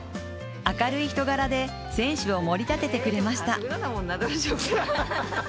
明るい人柄で選手をもり立ててくれました。